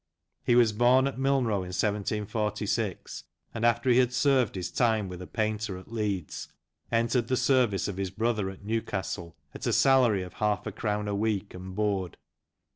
He was born at Milnrow in 1746, and, after he had served his time with a painter at Leeds, entered the service of his brother at Newcasde, at a salary of half a crown a week and board.